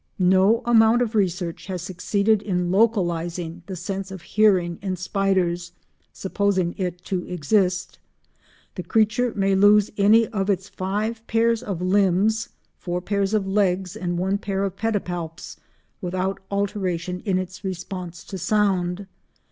No amount of research has succeeded in localising the sense of hearing in spiders, supposing it to exist. The creature may lose any of its five pairs of limbs (four pairs of legs and one pair of pedipalps) without alteration in its response to sound.